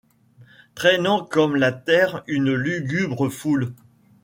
Traînant comme la terre une lugubre foule